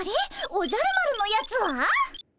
おじゃる丸のやつは？